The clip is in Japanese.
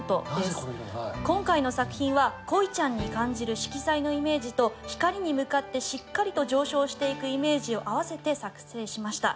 今回の作品はこいちゃんに感じる色彩のイメージと光に向かってしっかりと上昇していくイメージを合わせて作成しました。